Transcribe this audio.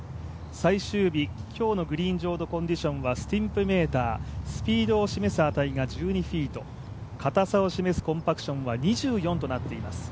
最終日、今日のグリーン上のコンディションはスティンプメーター、スピードを示す値が１２フィートかたさをしめすコンタクションは２４となっています。